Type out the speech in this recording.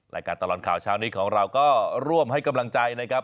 รายการตลอดข่าวเช้านี้ของเราก็ร่วมให้กำลังใจนะครับ